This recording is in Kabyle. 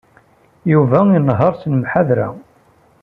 Yuba inehheṛ s lemḥadra.